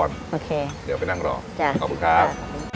โอเคเดี๋ยวไปนั่งรอขอบคุณครับ